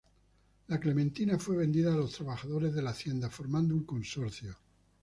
La Clementina fue vendida a los trabajadores de la haciendo, formando un consorcio.